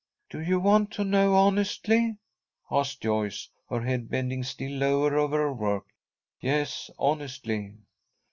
"Do you want to know honestly?" asked Joyce, her head bending still lower over her work. "Yes, honestly."